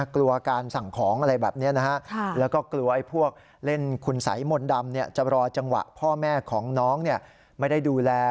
กลัวการสั่งของอะไรแบบนี้นะฮะแล้วก็กลัวไอ้พวกเล่นคุณสัยมนต์ดำจะรอจังหวะพ่อแม่ของน้องไม่ได้ดูแล